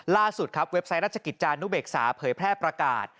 ล่าสุดครับเว็บไซต์ราชกิจจานุเบกษาเผยแพร่ประกาศ